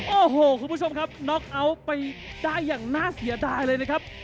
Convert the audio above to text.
โอ้โหคุณผู้ชมครับน็อกเอาท์ไปได้อย่างน่าเสียดายเลยนะครับ